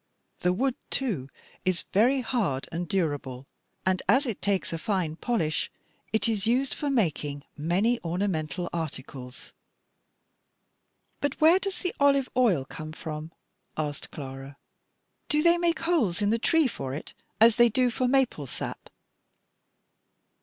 The wood, too, is very hard and durable, and, as it takes a fine polish, it is used for making many ornamental articles." "And where does the olive oil come from?" asked Clara. "Do they make holes in the tree for it, as they do for maple sap?"